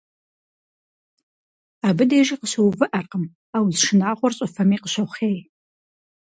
Абы дежи къыщыувыӀэркъым, а уз шынагъуэр щӀыфэми къыщохъей.